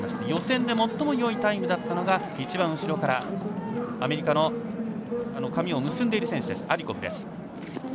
予選で最もよいタイムだったのが一番後ろからアメリカの髪を結んでいるアディコフです。